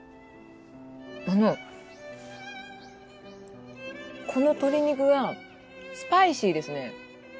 あのこの鶏肉がスパイシーですね。